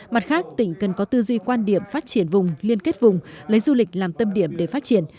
mặt khác tỉnh cần có tư duy quan điểm phát triển vùng liên kết vùng lấy du lịch làm tâm điểm để phát triển